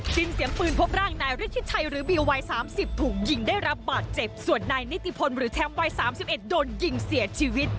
ชิ้นเสียงปืนพบร่างนายเราะชิดไชหรือบีววัยสามสิบถูกหยิงได้ระบาดเจ็บส่วนนายนิติพลหรือแทมพวีสามสิบเอ็ดโดนหยิงเสียชีวิต